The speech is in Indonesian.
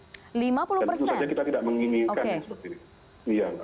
dan itu saja kita tidak menginginkan seperti ini